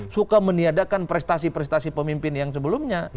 suka meniadakan prestasi prestasi pemimpin yang sebelumnya